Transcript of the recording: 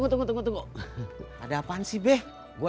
oke makasih ya